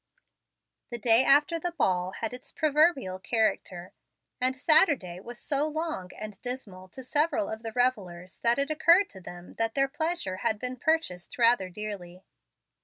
The "day after the ball" has its proverbial character, and Saturday was so long and dismal to several of the revellers that it occurred to them that their pleasure had been purchased rather dearly.